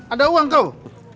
ada uang kau